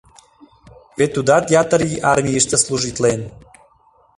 Вет тудат ятыр ий армийыште служитлен.